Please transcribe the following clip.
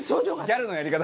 ギャルのやり方。